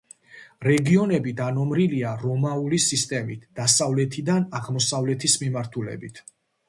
რეგიონები დანომრილია რომაული სისტემით დასავლეთიდან აღმოსავლეთის მიმართულებით.